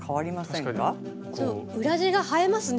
裏地が映えますね！